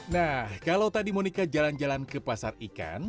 nah kalau tadi monika jalan jalan ke pasar ikan